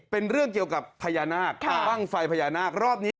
เป็นเรื่องเกี่ยวกับพญานาคบ้างไฟพญานาครอบนี้